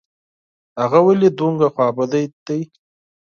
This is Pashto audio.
هغه ولي دومره خوابدې ده ؟